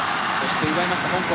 奪いました、香港。